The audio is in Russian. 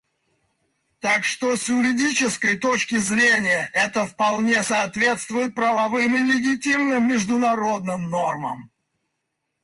Так что с юридической точки зрения, это вполне соответствует правовым и легитимным международным нормам.